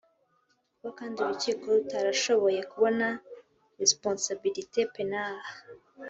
[kuba kandi urukiko] rutarashoboye kubona “responsabilite penale”